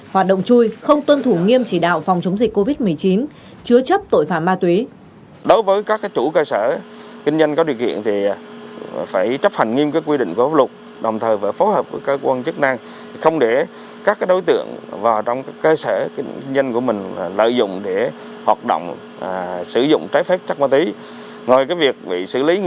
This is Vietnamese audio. hoạt động chui không tuân thủ nghiêm chỉ đạo phòng chống dịch covid một mươi chín chứa chấp tội phạm ma túy